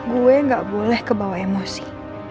gue gak boleh kebawa emosi